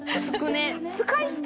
使い捨て？